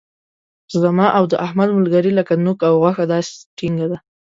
زما او د احمد ملګري لکه نوک او غوښه داسې ټینګه ده.